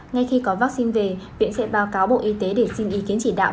ngay khi có vaccine về viện sẽ báo cáo bộ y tế để xin ý kiến chỉ đạo